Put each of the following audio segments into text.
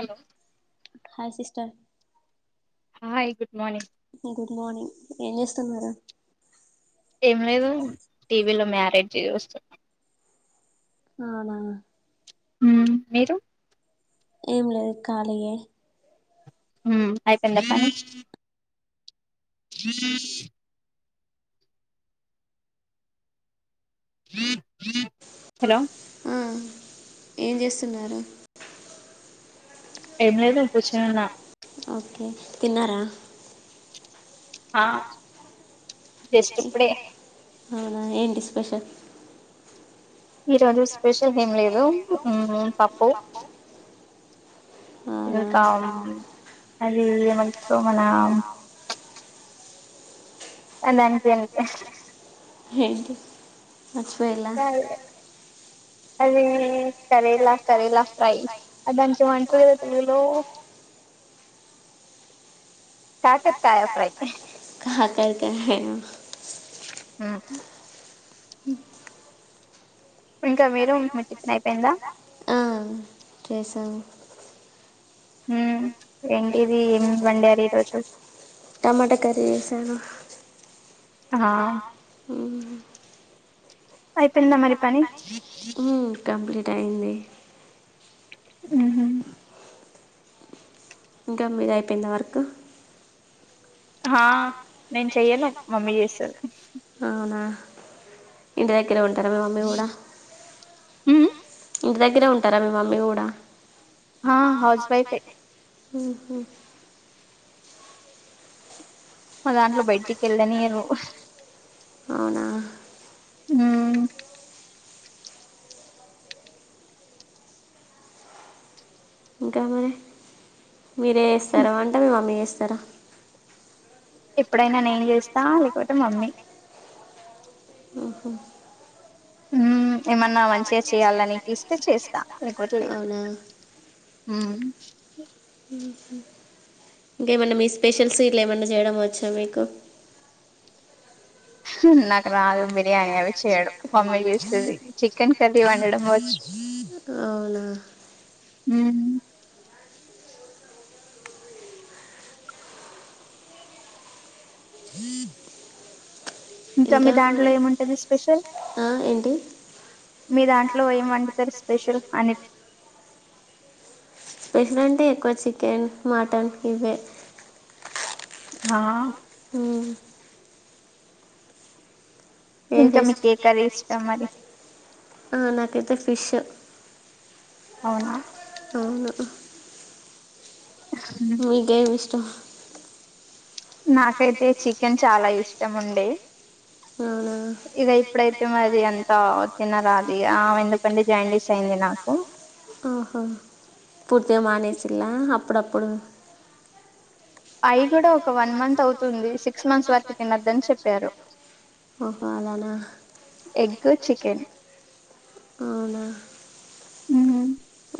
hello hi sister hi good morning good morning ఏం చేస్తున్నారు ఏం లేదు టీవీలో మ్యారేజ్ చూస్తునా అవునా ఉమ్ మీరు ఏం లేదు కాళియే హ్మ్ అయిపోయింద పని హ హలో ఏం చేస్తున్నారు ఏం లేదు కూర్చొనివునామ్ ఓకే తిన్నారా ఆ జస్ట్ ఇప్పుడే అవునా ఏంటి స్పెషల్ ఈ రోజు స్పెషల్ ఏం లేదు పప్పు ఇంకా అది ఏమంటారు మన ఏంటి సచ్చిపోయిలా అద సరే ఇలా సరేలా లెఫ్ట్ రైట్ అదంత మకు కాకరకాయ ఫ్రై హ్మ్ అ ఇంకా వేరే హోంవర్క్ అయిపోయిందా ఆ చేసాము ఉమ్ ఎంటిది టమాటా కర్రీ చేశాను ఆ అయిపోయిందా మరి పని ఉమ్ కంప్లీట్ అయింది ఉమ్ ఇంకా మీది అయిపోయింది వర్కు హా నేను చెయ్యేను మమ్మీ చేస్తారు అవునా ఇంటి దగరే ఉంటార మీ మమ్మీ కూడా ఉ ఇంటి ద గ్గరే ఉంటారా మీ మమ్మీ కూడా హా హౌస్ వైఫ్ఏ ఉహ్మ్ మా దాంట్లో బయటికి ఏళ్ళనియరు ఉం ఇంకా మరి మీరే చేస్తారా వంట మీ మమ్మీ చేస్తారా ఎప్పుడైనా నేన్ చేస్తా లేకపోతే మమ్మీ ఓహో ఉమ్ ఏమన్నా మంచిగా చేయాలనిపిస్తే చేస్తా లేకపోతె లేదు ఉమ్ ఇంకేమన్నా మీ స్పెషల్స్ ఇట్ల ఏమన్నా చేయడం వచ్చా మీకు నాకు రాదు బిర్యానీ అవి చేయ్యడం మమ్మీ చేస్తది చికెన్ కర్రీ వండడం వచ్చు అవునా ఉహు ఇంకా మీ దాంట్లో ఏముంటది స్పెషల్ మీ దాంట్లో ఏం వండుతరు స్పెషల్ అనిట్ స్పెషల్ అంటే ఎక్కువ చికెన్ మటన్ ఇవే హా [unintelligible] ఏం చెస్ కర్రీ ఇష్టం మరి నాకయితే ఫిష్ అవునా మీకేం ఇష్టం నాకైతే చికెన్ చాలా ఇష్టం ఉండే ఇగ ఇప్పుడైతే మరి అంత తినరాదిగ ఆ ఎందుకంటే జాండీస్ అయింది ఆహా పూర్తిగా మానేసిల్లా అప్పుడప్పుడు అయి కూడా ఒక వన్ మంత్ అవుతుంది సిక్స్ మంత్స్ వరకు తినొద్దని చెప్పారు ఓహో అలానా ఎగ్ చికెన్ అవునా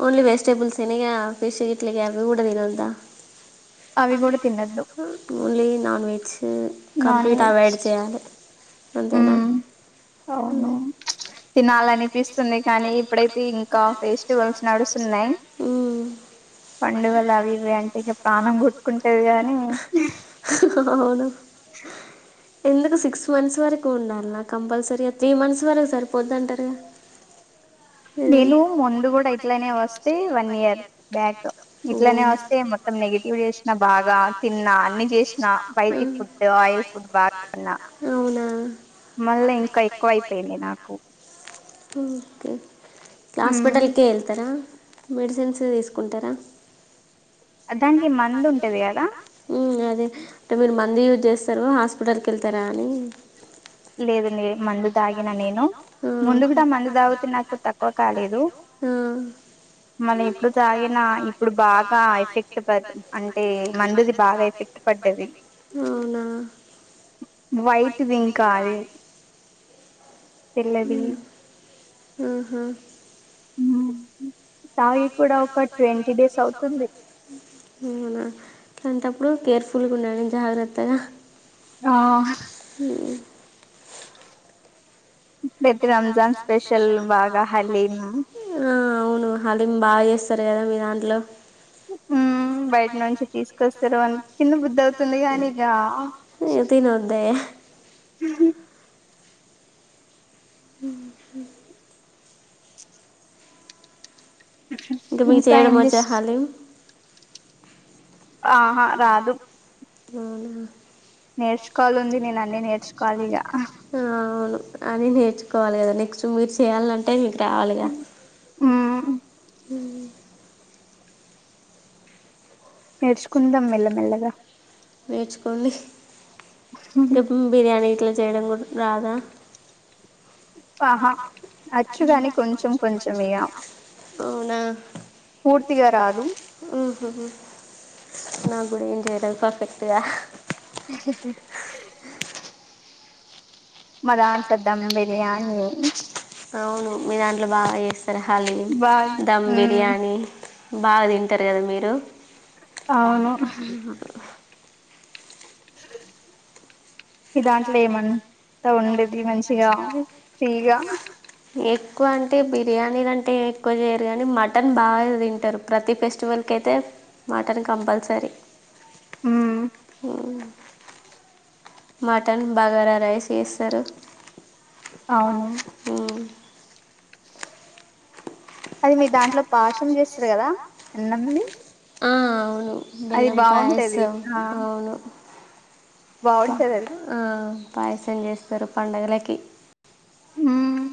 ఓన్లీ వెస్ జెటబుల్ సేన ఇగ ఫిష్ ఇట్ల అవి కూడా తినొద్దా అవి కూడా తినొద్దు only non veg complete avoid చేయాలి అంతేనా అవును తినాలనిపిస్తుంది కానీ ఇప్పుడైతే ఇంకా ఫెస్టివల్స్ నడుస్తు న్నాయి పండుగలు అవి ఇవి అంటె ప్రాణం కొట్టుకు ట్టది గాని అవును [inaudible] ఎందుకు సిక్స్ మంత్స్ వరకు ఉండాల్నా కంపల్సరిగా త్రీ మంత్స్ వరకు సరిపోదింటారుగా [inaudible] నేను ముందు కూడా ఇట్లనే వస్తే వన్ ఇయర్ బ్యాక్ ఇట్లనే వస్తే ఉ ఉ నెగటివ్ చేసిన బాగా తిన్నా అన్ని చేసిన బయటి ఫుడ్ ఆయిల్ ఫుడ్ బాగతిన్న మళ్ళా ఇంకా ఎక్కువ అయిపోయింది నాకు ఓకే హాస్పిటల్ కి వెళ్తారా మెడిసిన్స్ తీసుకుంటరా దానికి మందు ఉంటది అదే అంటే మీరు మందు యూజ్ చేస్తార హాస్పిటల్కి వెళ్తారా అని [inaudible] లేదు లేదు మందు తాగిన నేను ముందు కూడా మందు తాగితే నాకు తక్కువ కాలేదు ఉ ఆ మళ్ళ ఇప్పుడు తాగిన ఇప్పుడు బాగా ఎఫెక్ట్ పడతం అంటే మందది బాగా ఎఫెక్ట్ పడ్డది అవునా [unintelligible] ఆహా తాగి కూడా ఒక ట్వంటీ డేస్ అవుతుంది [unintelligible] వున దాని ఇప్పుడు కేర్ఫుల్గా ఉండండి జాగ్రత్తగా ఆ [unintelligible] రంజాన్ స్పెషల్ బాగా హలీం ఆ అవును హలీమ్ బాగా చేస్తారు కదా మీ దాంట్లో బయటినుంచి తీసుకొస్తారు కానీ తినబుద్ధి అవుతుంది కానీ తినొద్దే [unintelligible] [unintelligible] ఇంకా మీకు చేయడం వచ్చా హలీం ఆహా రాదు అవునా నేర్చుకోవాల [unintelligible] నేర్చుకోవాల అవును అన్ని నేర్చుకో కోవాలి కదా నెక్స్ట్ మీరు చేయాలంటే మీకు రావాలిగా [unintelligible] నేర్చుకుందాం మెల్లమెల్లగా నేర్చుకోండి ఇంకా బిర్యానీ ఇట్లా చేయడం రాదా హా నచ్చగాని కొంచం కొంచమయా అవునా పూర్తిగా రాదు నా కూడా ఏం చేయదు పర్ఫెక్ట్గా అవును అట్లు బాగా చేేస్తారు హలీది ధమ్ బిర్యానీ బాగా తింటారు కదా మీరు అవును స మీ దాంట్లో ఏమంతా ఉండది మంచిగా ఫ్రీగా ఎక్కువ అంటే బిర్యానీలు అంటే ఎక్కువ చేయరు కానీ మటన్ బాగా తింటారు ప్రతి ఫెస్టివల్ క క మటన్ బగారా రైస్ చేస్తారు అది మీ దాంట్లో పాసం చేస్తారు కదా ఎన్నంది వెెళ్ల్లంపాయసం అవును పా పాయసం చేస్తారు పండుగల హ్మ్మ్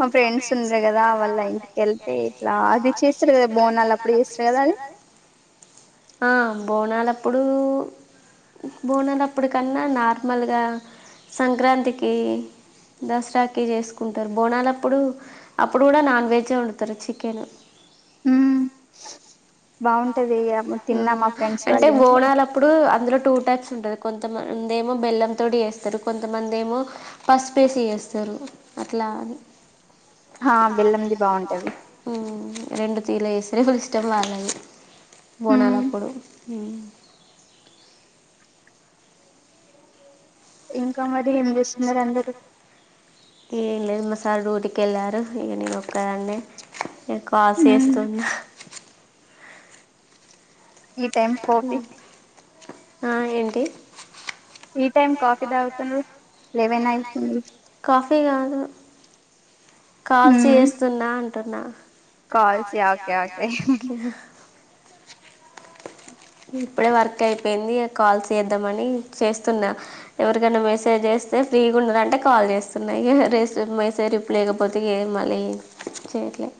మా ఫ్రెండ్స్ ఉండ కదా వాళ్ళ ఇంటికెళ్తే ఇట్లా అది చేస్తారు కదా బోనాలు అప్పుడు చేస్తారు కదా ఆ బోనాాల అప్పుడు బోనలప్పుటికన్నా నార్మల్గా సంక్రాంతికి దసరాకే చేసుకుంటారు బోనాల అప్పుడు అప్పుడు కూడా నాన్ వెజే వండుతారు చికెను హ్మ్మ్ ా అంటే మోనాలప్పుడు అందులో టూ టాక్ ఉంటది కొంతమంది ఏమో బెల్లం తోటి వస్తారు కొంతమంది ఏమో పసుపేసిేస్తారు అట్లా రెండు తీల వేస్తరరి ఫుల్ ఇష్టం బాలయి బోనాలప్పుడు ఇంకా మ ఏం లేదు అమ్మసారి డూటికి వెళ్ళారు ఇక నేను ఒక్కదన్ని నేను కాల్ చేస్తున్నా ఈ టైమ్ కోపిి ఆ ఏంటి కాఫీ గాదు కాల్స్ చేస్తున్న చేస్తున్న ఓకే ఓకే ఇప్పుడే వర్క్ అయిపోయింది ఇగ కాల్స్ ఏద్దామని చేస్ స్తున్న ఎవరికైనా మెసేజ్ జేస్తే ఫ్రీగా ఉన్నరంటే కాల్ జేస్తున్నా మెసేజ్ రిప్లై లేకపోతే ఏ మళీ చేయట్లే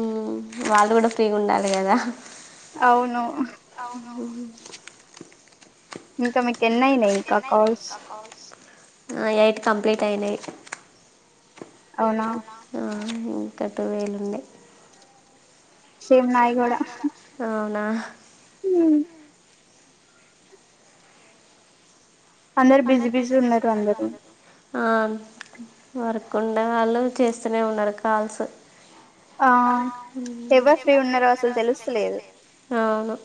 ఊమ్ వాళ్ళు గూడా ఫ్రీ గుండాలి గదా అవును ఉహ్ ఇంక మీకేన్నయినయ్ ఇంకా కాల్స్ ఆ ఎయిట్ కంప్లీట్ అయినయి ఆ ఇంకా ట్వల్ వున్నయ్ ఆ నా ఉమ్ అందరు బిజీ బిజీ ఉన్నా కదా అందరు ఆ వర్క్ ఉండేవాళ్ళు చేస్తూనే ఉన్నారు కాల్స్ ఆ ఉహ్ ఎవర్ ఫ్రీ ఉన్నారో అస్సలు తెలుస్తలే అవును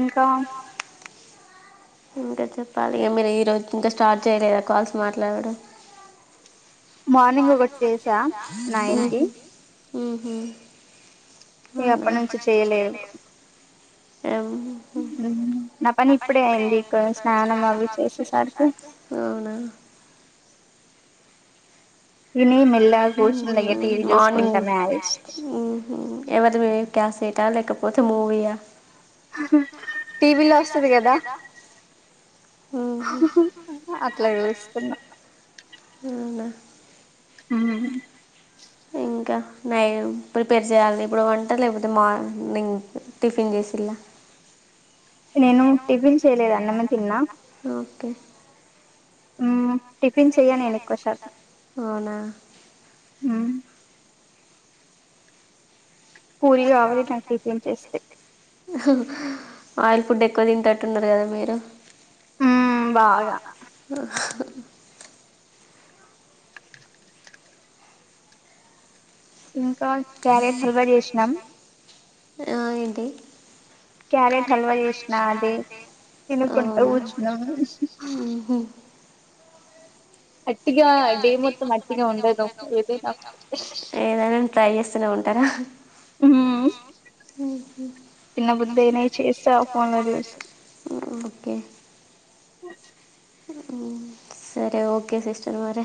ఇంకా [unintelligible] ఇంకా చెప్పాలి ఇగ మీరు ఈరోజు ఇంకా స్టార్ట్ చేయలేదా కాల్స్ మాట్లాడడం ఊహ్మ్ ఊహ్మ్ ఇగ అప్పటి నుంచి చెయలేదు ఎవ్ ఉమ్ అవునా [unintelligible] ఊమ్ మార్నింగ్ ఊహ్మ్ ఎవదివే క్యాసెటా లేకపోతే మూవీయా హ్హ్ టీవీలో ఒస్తది గదా ఉహ్మ్ అవునా హ్మ్ ఇంకా నయం ప్రిపేర్ జెయ్యాలా ఇప్పుడు వంట లేకపోతే మార్నింగ్ టిఫిన్ జెసిల్లా ఓకే ఉమ్ టిఫిన్ చెయ్య నేను ఎక్కువ శాతం అవునా ఆహ్ ఆయిల్ ఫుడ్ ఎక్కువ తింటట్టున్నరు గద మీరు హ్మ్ బాగా ఇంకా క్యారెట్ హల్వా జేష్ణం ఆ ఏంటి క్యారెట్ హల్వా చేసినం అండి తినకుంటూ కూర్చున్నాం అవునా ఎట్టిగా డే మొత్తం ఎట్టీగా ఉండను ఏడైనా ట్రై జేస్తూనే ఉంటారా హ్మ్మ్ ఉహు తిన బుద్ధయినై చేస్తా [unintelligible] కే సరే ఓకే సిస్టర్ మరి